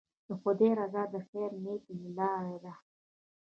د خدای رضا د خیر نیت له لارې ده.